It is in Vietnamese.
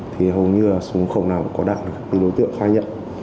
thì hầu như là súng không nào có đạn từ đối tượng khai nhận